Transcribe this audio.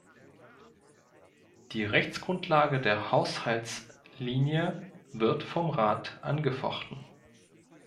Die Rechtsgrundlage der Haushaltslinie wird vom Rat angefochten.